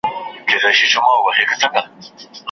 شیخ توبه ده ماته کړې له کتابه کسات اخلي